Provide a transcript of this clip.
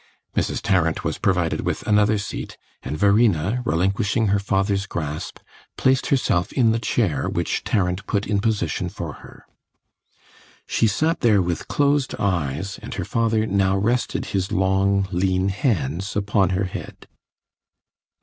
Mrs. Tarrant was provided with another seat, and Verena, relinquishing her father's grasp, placed herself in the chair, which Tarrant put in position for her. She sat there with closed eyes, and her father now rested his long, lean hands upon her head.